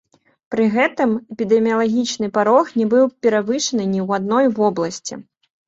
Пры гэтым, эпідэміялагічны парог не быў перавышаны ні ў адной вобласці.